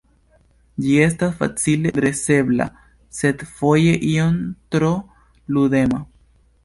Ĝi estas facile dresebla, sed foje iom tro ludema.